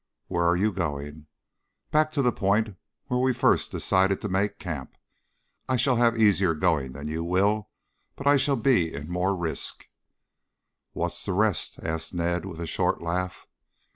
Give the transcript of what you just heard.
"Where are you going?" "Back to the point where we first decided to make camp. I shall have easier going than you will, but I shall be in more risk." "What's the rest?" asked Ned with a short laugh.